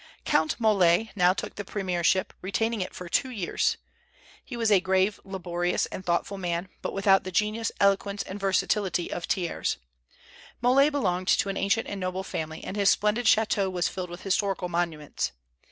Count Molé now took the premiership, retaining it for two years. He was a grave, laborious, and thoughtful man, but without the genius, eloquence, and versatility of Thiers. Molé belonged to an ancient and noble family, and his splendid chateau was filled with historical monuments.